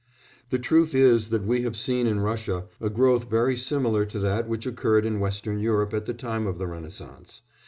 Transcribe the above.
The truth is that we have seen in Russia a growth very similar to that which occurred in Western Europe at the time of the Renaissance.